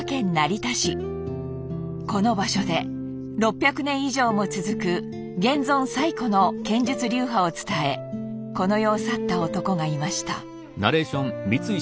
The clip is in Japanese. この場所で６００年以上も続く現存最古の剣術流派を伝えこの世を去った男がいました。